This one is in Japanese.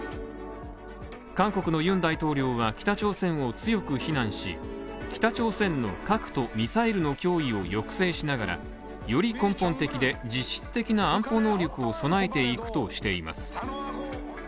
韓国のユン大統領は北朝鮮を強く非難し、北朝鮮の核とミサイルの脅威を抑制しながら、より根本的で実質的な安保能力を備えていくとしています